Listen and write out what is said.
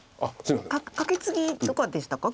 カケツギとかでしたか？